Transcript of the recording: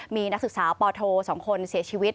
มีนักศึกสาวป่อโทสองคนเสียชีวิต